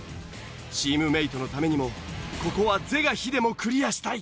チームメートのためにもここは是が非でもクリアしたい。